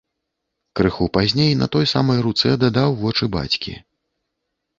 Крыху пазней на той самай руцэ дадаў вочы бацькі.